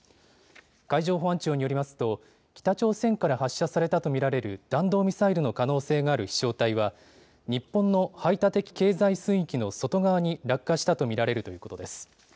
海上保安庁によりますと北朝鮮から発射されたと見られる弾道ミサイルの可能性がある飛しょう体は日本の排他的経済水域の外側に落下したと見られるということです。